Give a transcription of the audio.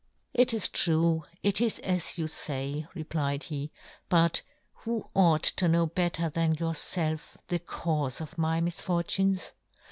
" It is true, it is as " you fay," replied he ;" but who " ought to know better than your " felf the caufe of my misfortunes